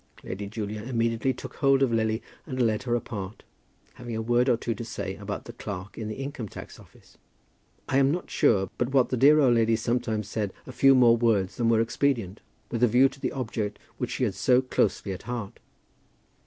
Lady Julia immediately took hold of Lily, and led her apart, having a word or two to say about the clerk in the Income tax Office. I am not sure but what the dear old woman sometimes said a few more words than were expedient, with a view to the object which she had so closely at heart.